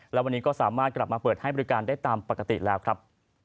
และวันนี้ก็สามารถกลับมาเปิดให้บริการได้ตามปกติแล้วครับ